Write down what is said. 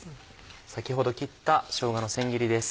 先ほど切ったしょうがの千切りです。